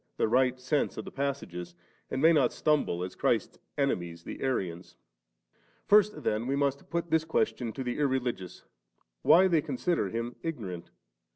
xz. ji. SiL44,a.t. sense of the passages, and may not stumble as Christ's enemies the Arians. First then we must put this question to the irreligious, why they consider Him ignorant?